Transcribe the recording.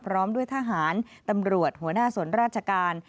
พร้อมด้วยทหารตำรวจหัวหน้าส่วนราชการ